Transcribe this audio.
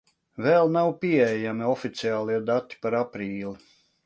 Vēl nav pieejami oficiālie dati par aprīli.